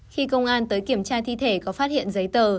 khi công an tới kiểm tra thi thể có phát hiện giấy tờ